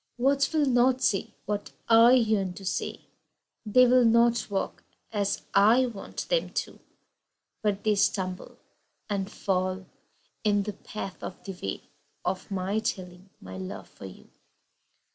Words will not say what I yearn to say They will not walk as I want them to, But they stumble and fall in the path of the way Of my telling my love for you.